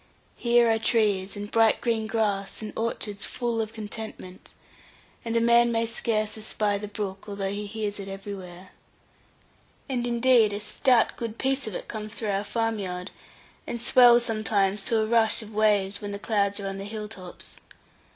Here are trees, and bright green grass, and orchards full of contentment, and a man may scarce espy the brook, although he hears it everywhere. And indeed a stout good piece of it comes through our farm yard, and swells sometimes to a rush of waves, when the clouds are on the hill tops.